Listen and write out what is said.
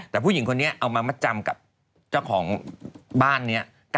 แต่ผู้หญิงคนนี้เอามามัดจำกับเจ้าของบ้านนี้